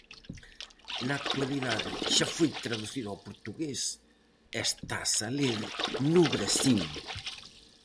Na actualidade xa foi traducida ao portugués e estase a ler no Brasil.